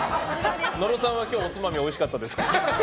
野呂さんは今日おつまみおいしかったですか？